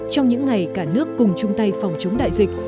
trong những ngày cả nước cùng chung tay phòng chống đại dịch